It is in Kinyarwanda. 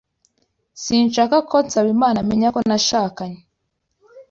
Sinshaka ko Nsabimana amenya ko nashakanye.